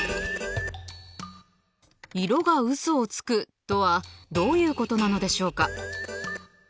色がうそをつくとはどういうことなのでしょうか？